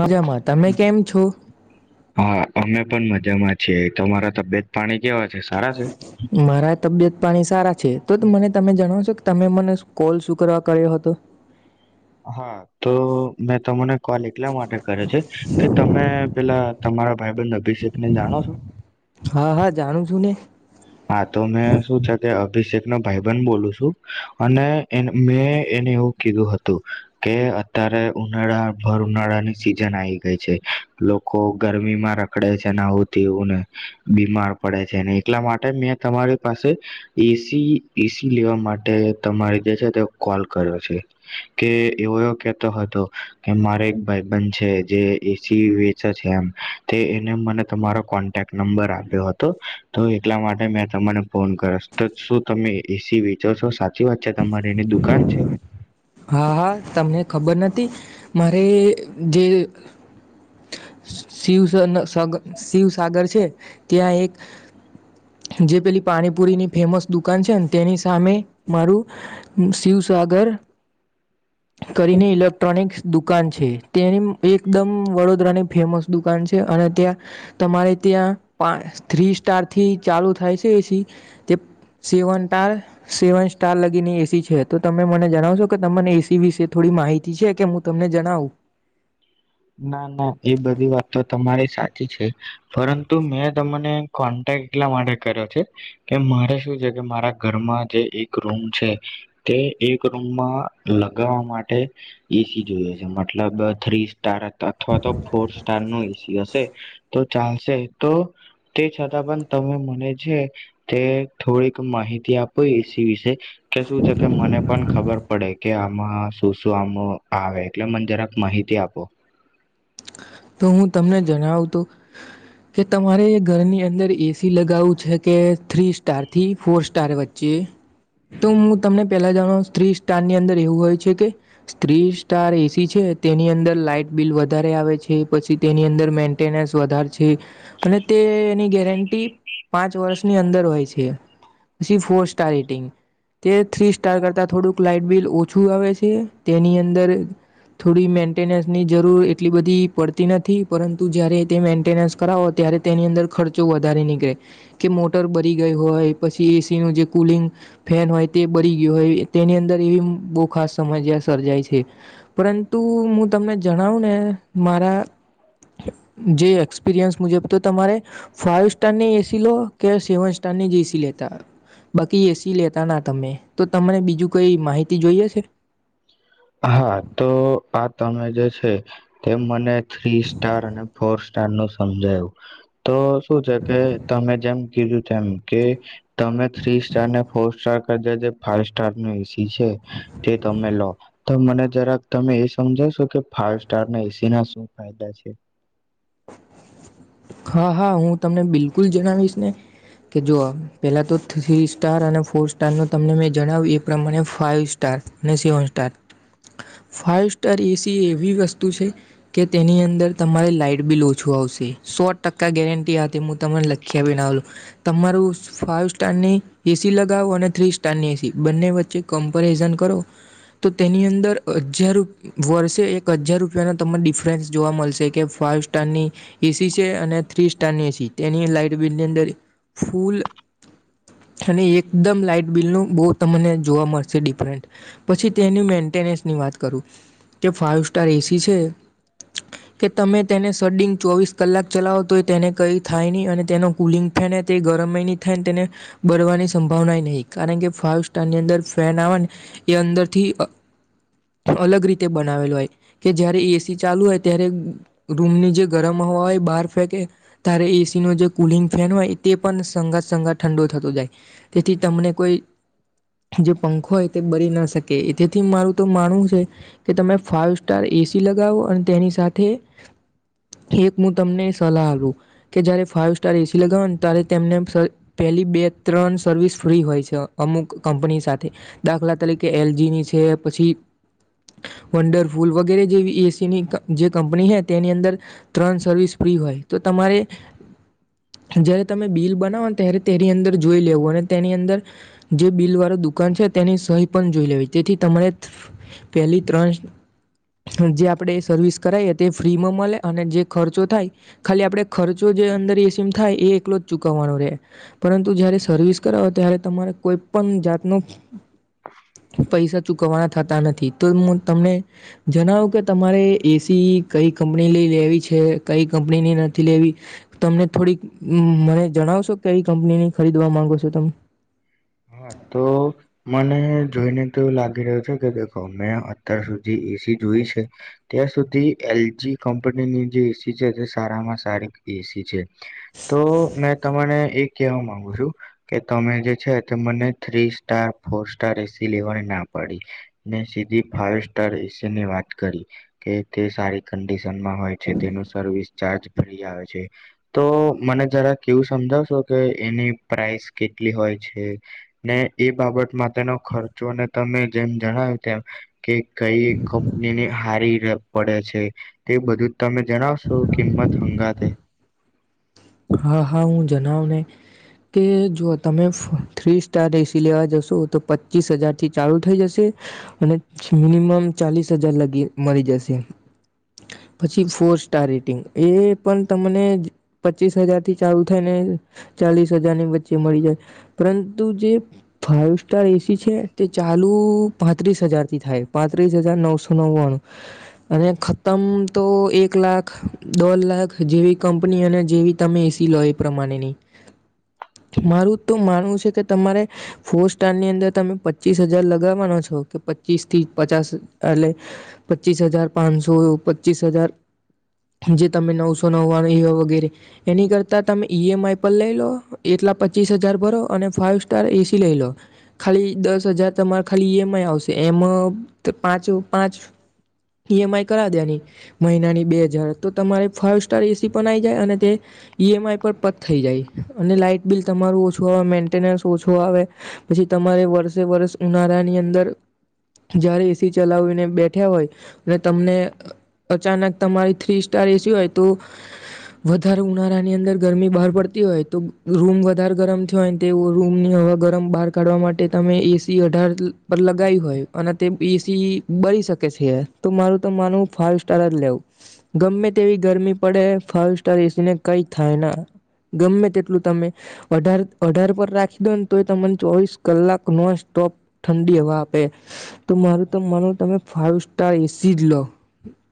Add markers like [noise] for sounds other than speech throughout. મજામાં તમે કેમ છો? હા અમે પણ મજામાં છે તમારા તબિયત પાણી કેવા છે સારા છે મારા તબિયત પાણી સારા છે તો મને તમે જણાવશો તમે મને કોલ શું કરવા કર્યો હતો? હા તો મેં તમને કોલ એટલા માટે કર્યો છે, કે તમે પેલા તમારા ભાઈબંધ અભિષેક ને જાણો છો? હા હા જાણું છું ને હા તો મેં શું છે કે અભિષેકનો ભાઈબન બોલું છું, અને મેં એને એવું કીધું હતું, કે અત્યારે ઉનાળા ભર ઉનાળાની સીઝન આવી ગઈ છે, લોકો ગરમીમાં રખડે છેને આવું તેવુંને, બીમાર પડે છે એટલા માટે માટે મેં તમારી પાસે, એ સી એ સી લેવા માટે તમારી જે છે તે કોલ કર્યો છે, કે એવો એ કેહેતો હતો કે, મારે એક ભાઈબન છે જે એ સી વેચે છે, એમ તે એને મને તમારો કોન્ટેક્ટ નંબર આપ્યો હતો, તો એટલા માટે મેં તને ફોન કર્યો તો શું તમે એ સી વેચો છો સાચી વાત છે તમારી એની દુકાન છે? હા હા તમને ખબર નથી, મારે જે શિવ સ શિવસાગર છે, ત્યાં એક જે પેલી પાણીપુરીની ફેમસ દુકાન છે ને તેની સામે મારું, શિવસાગર- કરીને ઇલેક્ટ્રોનિક્સ દુકાન છે તેની એકદમ વડોદરાની ફેમસ દુકાન છે અને ત્યાં તમારે ત્યાં પા થ્રી સ્ટાર થી ચાલુ થાય છે એ સી, તે સેવન તાર સેવન સ્ટાર લગીની એસી છે તો તમે મને જણાવજો પણ એ સી વિશે થોડી માહિતી છે કે હું તમને જણાવું. ના ના એ બધી વાત તો તમારે સાચી છે, પરંતુ મેં તમને કોન્ટેક એટલા માટે કર્યો છે, કે મારે શું છે કે મારા ઘરમાં જે એક રૂમ છે, તે એક રૂમમાં લગાવવા માટે, એ સી જોઈએ છે મતલબ થ્રી તારત અથવા તો ફોર્સ. તારનો એસી હશે, તો ચાલશે તો તે છતાં પણ તમે મને છે તે થોડીક માહિતી આપો એ સી વિશે. કે શું છે કે મને પણ ખબર પડે કે આમાં શું શું આમ આવે એટલે મને જરાક માહિતી આપો. તો હું તમને જણાવ. તો કે તમારે એ ઘરની અંદર એ સી લગાવું છે. કે થ્રી સ્ટારથી ફોર સ્ટાર વચ્ચે. તો હું તમને પેલા જાણો સ્ત્રી તારની અંદર એવું હોય છે કે. થ્રી સ્ટાર એ સી છે તેની અંદર લાઈટ બિલ વ દરે આવેે છે. પછી તેની અંદર મેન્ટેનન્સ વધારે છે, અને તે એની ગેરંટી પાંચ વર્ષની અંદર હોય છે, પછી ફોર સ્ટાર રેટિંગ તે થ્રી સ્ટાર કરતાં થોડુંક લાઈટ બિલ ઓછું આવે છે, તેની અંદર થોડી મેન્ટેનન્સની જરૂર એટલી બધી પડ નથી પરંતુ જયારે તે મેન્ટેનસ કરાવો ત્યારે તેની અંદર ખર્ચો વધારે નીકળે, કે મોટર બરી ગઈ હોય પછી તેનું જે કુલિંગ ફેન હોય તે બરી ગયો હોય તેની અંદર એવી બહુ ખાસ સમજ્યા સર્જાય છે, પરંતુ હુ તમને જણાવું ને મારા જે એક્સપિરિયન્સ મુજબ તો તમારે, ફાઈવ સ્ટારની એ સી લો કે સેવન સ્ટારની જ એ સી લેતા, બાકી એસી લેતા ના તમે તો તમને બીજું કઈ માહિતી જોઈએ શે? હા તો આ તમે જે છે, તે મને થ્રી સ્ટાર અને ફોર સ્ટાર નો સમજાયું, તો શું છે કે તમે જેમ કીધું કે, તમે થ્રી સ્ટાર ને ફોર સાર ફાઈવ સ્ટાર છે, તે તમે લો. તો મને જરાક તમે એ સમજાવશો કે ફાઈવ સ્ટાર ના એ સી ના શું ફાયદા છે. હા હા હું તમને બિલકુલ જણાવીશ ને, કે જો પેલા તો થ્રી સ્ટાર અને ફોર સ્ટાર ન તમને મેં જણાવ્યું એ પ્રમાણે ફાઈવ સ્ટાર અને seven star, five star AC એવી વસ્તુ છે, કે તેની અંદર તમારે લાઈટ [unintelligible] ટ ગેર ત લખ્યા તમારું ફવ સ્ટારની એ સી લગાવો અને થ્રી સ્ટારની એ સી બંને વચ્ચે કમ્પેરિઝન કરો તો તેની અંદર હજાર વર્ષે એક હજાર રૂપિયાનો તમને ડિફરન્સ જોવા મળશે, કે ફ સ્ટારની, એ સી છે અને થ્રી સ્ટારની એસી તેની લાઈટ બિલની અંદર ફૂલ અને એકદમ લાઈટ બિલનું બહુ તમને જોવા મળશે ડિફરન્ટ, પછી તેની મેન્ટેનન્સની વાત કરું, કે ફાઈવ સ્ટાર એ સી છે કે તમે તેને સંગ ચોવીસ કલાક ચલાવો તો હોય તેને કઈ થાય નહી અને તેનો કુલિંગ ફેન તે ગરમય ન થાયને તેને, બરવાની સંભાવના નહીં કારણ કે ફાઈવ સ્ટારની અંદર ફેન આવવા એ, અંદરથી અલગ રીતે બનાવેલો હોય, કે જયારે એ સી ચાલુ હોય ત્યારે રૂમની જે ગરમ હવા હોય બહાર ફેકે, ત્યારે એ સી ન જે કુલિંગ ફેન હોય તે પણ સંગા સંગા ઠંડો થતો જાય, તેથી તમને કોઈ જે પંખો હોય તે બરી ના શકે તેથી મારું તો માનવું છે, કે તમે ફાઈવ સ્ટાર એ સી લગાવો અને તેની સાથે એક હું તમને સલહ આપું. કે જયારે ફાઈવ સ્ટાર એ સી લગાવો ને ત્યારે તેમને પેલી બે ત્રણ સર્વિસ ફ્રી હોય છે અમુક. કંપની સાથે. દાખલા તરીકે એલ જી ની છે. પછી, વંડરફૂલ વગેરે જેવી એ સીની જે કંપની છે. તેની અંદર, ત્રણ સર્વિસ ફ્રી હોય. તો તમારે, જ્યારે તમે બિલ બનાવો ને ત્યારે તેની અંદર જોઈ લેવું અને તેની અંદર, જે બિલ વાળું દુકાન છે તેની સહી પણ જોઈ લેવી જેથી તમારે પેલી ત્રણ જે આપણે સર્વિસ કરાવએ તે ફ્રીમાં મળે અને જે ખર્ચો થાય, ખાલી આપણે ખર્ચો જે અંદર એ સીમ થાય એ એકલો ચૂકવવાનું રહે, પરંતુ જ્યારે સર્વિસ કરાવો ત્યારે તમારે કોઈ પણ જાત ન પૈસા ચૂકવવાના થતા નથી, તો તમને જણાવો કે તમારે એ સી તી. કઈ કંપની લ લેવી છે કઈ કંપનીની નથી લેવી, તમને થોડીક મને જણાવશો કઈ કંપનીની ખરીદવા માંગો છો તમે. હા તો મને જોઈને તો એવું લાગી રહ્યું છે કે દખો મેં અત્યાર સુધી એ સી જોઈ છે, ત્યાં સુધી એલજી કંપનીની જે એ સી છે તે સારામાં સારી એ, સી છે. તો મેં તમાને એ કેવા માંગુ છુ, કે તમે જે છે. તો મને three star four star A C લેવાની ના પડી, ને સીધી ફાઈવ સ્ટાર એ સી ની વાત કરી કે તે સારી કન્ડિશનમાં હોય છે તેનું સર્વિસ ચાર્જ ફ્રી આવે છે, તો મને જરાક એવું સમજાવશો કે એની પ્રઇસ કેટલી હોય છે. ને એ બાબત માટે તેનો ખર્ચોને તમે જેમ જણાવ્યું તેમ, કે કઈ કંપનીની હારી પડે છે, તે બધું જ તમે જણાવશો કિંમત હંગાતે. હા હા હું જણાવ ને, કે જો તમે થ્રી સ્ટાર એ સી લેવા જશો તો પચીસ હજાર થી ચાલુ થઈ જશે, અને મિનિમમ ચાલીસ હજાર લગી મળી જશે, પછી ફોર સ્ટાર રેટિંગ એ પણ તમને પચીસ હજાર થી ચાલુ થાય ને ચાલીસ હજારની વચ્ચે મળી જાય, પરંતુ જે ફાઈવ સ્ટાર એ સી છે તે ચાલુ પાંત્રીસ હજારથી થાય પાંત્રીસ હજાર નવસો નવ્વાણું, અને ખતમ તો એક લાખ દોઢ લાખ જેવી કંપની અને જેવી તમે એ સી લો એ પ્રમાણેનેની, મારું તો માનવું છે કે તમારે ફોર સારની અંદર તમે પચીસ હજાર લગાવવાનો છો કે પચીસ થી પચાસ, એટલે પચીસ હજાર પાંચસો પચીસ હજાર જે તમે નવસો નવ્વાણું વગેરે. એની કરતાં તમે ઈ એમ આઈ પર લઈ લો એટલા પચીસ હજાર ભરો અને ફાઇવ સ્ટાર એ સી લઈ લો, ખાલી દસ હજાર તમારે ખાલી ઈ એમ આઈ આવશે એમાં પાંચ રૂ પાંચ ઈ એમ આઈ કરાવ દિયાની, મહિનાની બે હજાર તો તમારે ફાઇવ સ્ટાર એ સી પણ આવી જાય અને તે ઈ એમ આઈ પર પત થઈ જાય અને લાઈટ બિલ તમારું ઓછું આવે મેન્ટેનસ ઓછું, આવે પછી તમારે વર્ષે વર્ષ ઉનાળાની અંદર જય્યારે એ સી ચલાવીને બેઠ્યા હોય. તમને અ અચાનક તમારી થ્રી સ ટાર એ સી હોય તો, વધ દર ઉનાળા ની અંદર ગરમી બહાર પડતી હોય તો રૂમ વધારે ગરમ થયો હોયને તે રૂમ ની હવા ગરમ બહાર કાઢવા માટે તમે એ સી અઢાર પર લગાવી હોય અને તે બીસ થી બળી શકે છે, તો મારું તો માનો ફાઈવ સ્ટાર જ લેવું ગમે તેવી ગરમી પડે ફ તાર એ સી ને કઈ થાય ના ગમે એટલું તમે અઢાર, અઢાર પર રાખી દો ને તો એ તમન ચોવીસ કલાક નોન સ્ટોપ ઠંડી હવા આપે તો મારું તો માનો તમે ફાઇવ સ્ટાર એ સી જ લો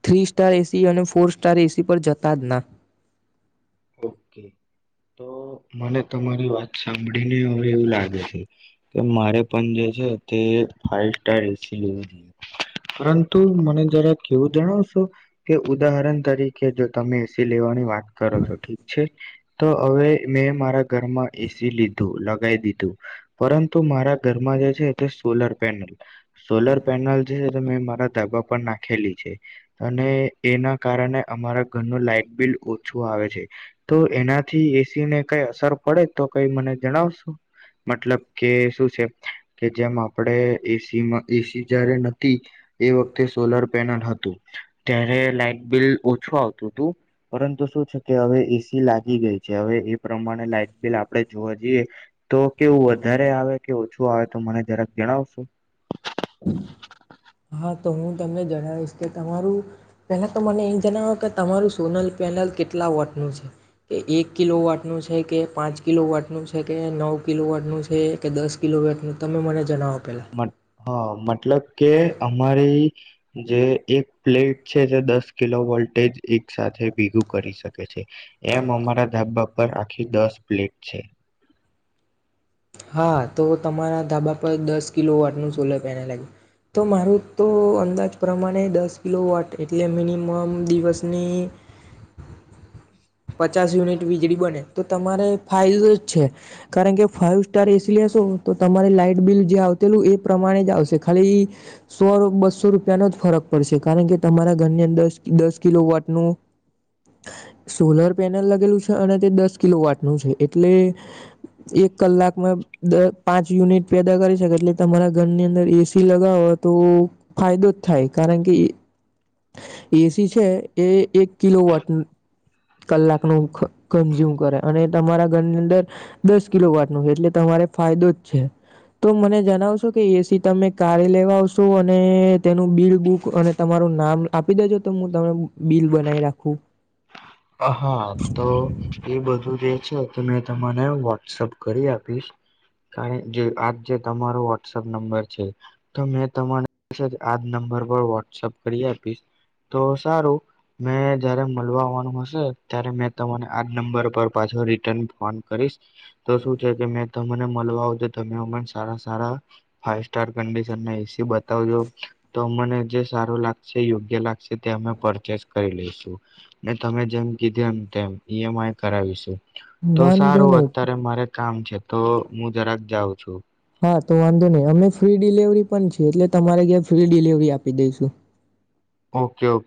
થ્રી સ્ટાર એ સી અને ફોર સ્ટાર એ સી પર જતા જ ના ઓકે મને તમારી વાત સાંભળીને હવે એવું લાગે છે, કે મારે પણ જે છે તે ફાઈવ સ્ટાર એસી લેવી જોઈએ, પરંતુ મને જરાક એવું જણાવશો કે, ઉદાહરણ તરીકે જો તમે એસી લેવાની વાત કરો છો ઠીક છે, તો હવે મેં મારા ઘરમાં એસી લીધું લગાવી દીધું પરંતુ મારા ઘરમાં જે છે તે સોલર પેનલ સોલર પેનલ જે મેં મારા ધાબા પર નાખેલી છે અને એના કારણે અમારા ઘરનું લાાઈટ બિલ ઓછું આવે તો એનાથી એસી ને કઈ અસર પડે તો કઈ મને જણાવશો, મતલબ કે શું છે કે જેમ આપણે એસીમાં, એસી જયારે નતી એ વખતે સોલર પેનલ હતું ત્યારે લાાઈટ બિલ ઓછું આવતું હતું પરંતુ શું છે કે હવે એસી લાગી ગઈ છે, હવે એ પ્રમાણે લાાઈટ બિલ આપડે જોવા જઈએ તો કેવું વધારે આવે કે ઓછું આવે તો મને જરાક જણાવો ઓ, ફો હા, તો હું તમને જણાવીશ કે તમારું, પહેલા તો મને એ જણાવો કે તમારું સોનલ પેનલ કેટલા વોટનું છે કે એક કિલો વોટનું છે કે પાંચ કિલો વોટનું છે કે નવ કિલો વોટનું છે કે દસ કિલો વોટનું તમે મને જણાવો પેલા હ, મતલબ કે અમારી જે એક પ્લેટ છે જે દસ કિલો વોલ્ટેજ એક સાથે ભેગું કરી શકે છે એમ અમારા ધાબા પર આખી દસ પ્લેટ છે હા, તો તમારા ધાબા પર દસ કિલો વાટનું સોલર પેનલ લાગ્યું તો મારું તો અંદાજ પ્રમાણે દસ કિલો વોટ એટલે મિનિમમ દિવસની પચાસ યુનિટ વીજળી બને તો, તમારે ફાયદો જ છે કારણ કે ફાઇવ એસી લેશો તો તમારે લાઈટ બિલ જે આવલું એ પ્રમાણે જ આવશે ખાલી સો રૂ, બસ્સો, રૂપિયાનો જ ફરક પડશે, કારણ કે તમારા ઘરની અંદર દસ કિલો વોટનું સોલર પેનલ લગેલું છે, અને તે દસ કિલો વાટનું છે, એટલે એક કલાક દર, પાંચ યુનિટ પેદા કરી શકે એટલે તમારા ઘરની અંદર એસી લગાવો તો ફાયદો જ થાય કારણ કે એસી છે એ એક કિલો વોટ કલાકનું કન્ઝ્યુમ કરે અને તમારા ઘરની અંદર દસ કિલો વોટનું એટલે ફાયદો જ છે તો, મને જણાવશો કે એસી તમે કારે લેવા આવશો અને તેનું બિલ બુક અને તમારું નામ આપી દેજો તો હું તમારું બિલ બનાવી રાખું હા એ બધું જે છે તો, મેં તમને વોટ્સઅપ કરી આપીશ કારણ જે આજ જે તમારો વોટ્સઅપ નંબર છે, તો મેં તમારેસે જ આ જ નંબર પર વોટ્સપ કરી આપીશ, તો સારું મેં જ્યારે મલવા આવાનું હશે ત્યારે મેં તમોને આ જ નંબર પર પાછો રિટર્ન ફોન કરીશ તો શું છે કે મે ત મને મલવા તમે, અમન સારા, સારા, ફાઈવ સ્ટાર કન્ડિશન એસી બ બતાવજો તો મને જે સારું લાગશે, યોગ્ય લાગશે તે અમે પરચેસ કરી લઈશું, ને તમે જેમ કીધી એમ તેમ ઈ એમ આઈ કરાવીશું તો વાંધો સારું નહી અત્યારે મારે કામ છે એ તો મુું જરા જાઉ છું હા, તો વાંધો નહી અમે ફ્રી ડિલેવરી પણ છીએ એટલે તમારે ક્યાં ફ્રી ડિલેવરી આપી દઈશું ઓકે, ઓકે